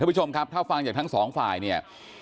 ให้พี่ชมครับถ้าฟังจากทั้งสองฝ่าย